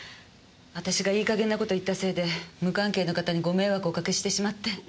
私がいい加減な事言ったせいで無関係な方にご迷惑をおかけしてしまって。